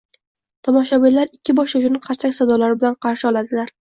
tomoshabinlar ikki boshlovchini qarsak sadolari bilan qarshi oladilar.